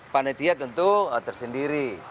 panitia tentu tersendiri